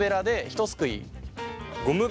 ひとすくい。